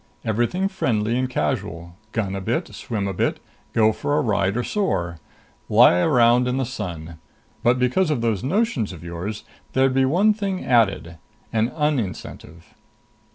Everything friendly and casual. Gun a bit, swim a bit. Go for a ride or soar. Lie around in the sun. But because of those notions of yours, there'd be one thing added. An un incentive."